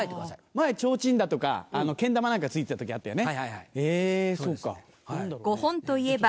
前ちょうちんだとかけん玉なんか付いてた時あったよね。